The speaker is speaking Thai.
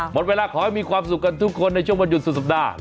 หมดเวลาขอให้มีความสุขกันทุกคนในช่วงวันหยุดสุดสัปดาห์